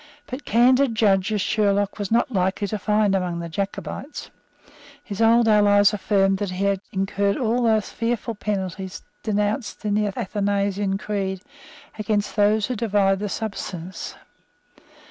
But candid judges Sherlock was not likely to find among the Jacobites. His old allies affirmed that he had incurred all the fearful penalties denounced in the Athanasian Creed against those who divide the substance.